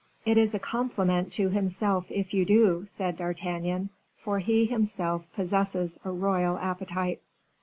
"It is a compliment to himself if you do," said D'Artagnan, "for he himself possesses a royal appetite."